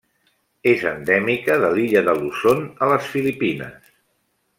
És endèmica de l'illa de Luzon, a les Filipines.